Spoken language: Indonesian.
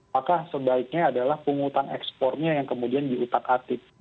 maka sebaiknya adalah pungutan ekspornya yang kemudian diutak atik